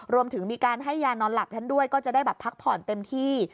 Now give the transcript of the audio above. รวมถึงมีการให้ยานอนหลับท่านด้วยก็จะได้แบบพักผ่อนเต็มที่